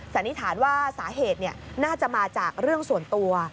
สันนิษฐานว่าสาเหตุน่าจะมาจากเรื่องส่วนตัว